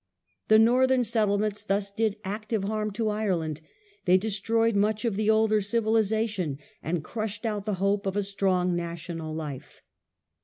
The northern settlements thus did active harm to Ireland; they destroyed much of the older civilization, and crushed out the hope of a strong national life.